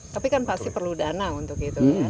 tapi kan pasti perlu dana untuk itu ya